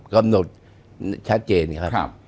กำหนดชัดเจนครับ